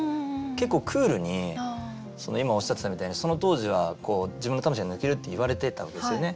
結構クールに今おっしゃってたみたいにその当時は自分の魂が抜けるっていわれてたわけですよね。